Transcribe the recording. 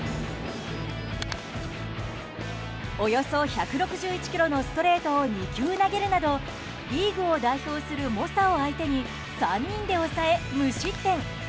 およそ１６１キロのストレートを２球投げるなどリーグを代表する猛者を相手に３人で抑え、無失点。